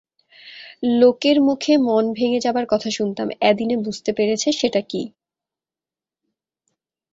লোকের মুখে মন ভেঙে যাবার কথা শুনতাম, অ্যাদিনে বুঝতে পেরেছে সেটা কী।